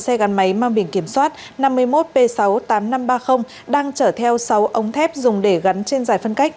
xe gắn máy mang biển kiểm soát năm mươi một p sáu mươi tám nghìn năm trăm ba mươi đang chở theo sáu ống thép dùng để gắn trên giải phân cách